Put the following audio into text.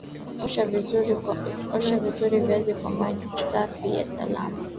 Osha vizuri viazi kwa maji safi na salama